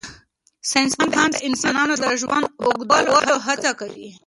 ساینس پوهان د انسانانو د ژوند اوږدولو هڅه کوي.